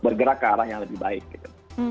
bergerak ke arah yang lebih baik gitu